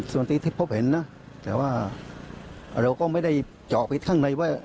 ส่วนที่พบเห็นนะแต่ว่าเราก็ไม่ได้เจาะไปข้างในว่า